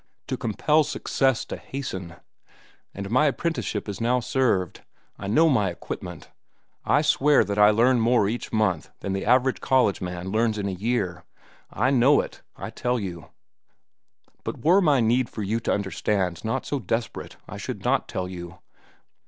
To compel Success to hasten. And my apprenticeship is now served. I know my equipment. I swear that I learn more each month than the average college man learns in a year. I know it, I tell you. But were my need for you to understand not so desperate I should not tell you.